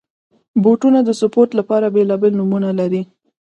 بوټونه د سپورټ لپاره بېلابېل نومونه لري.